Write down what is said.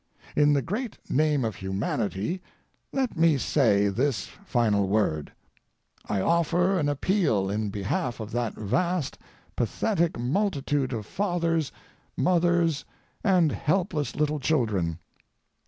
In the great name of humanity, let me say this final word: I offer an appeal in behalf of that vast, pathetic multitude of fathers, mothers, and helpless little children.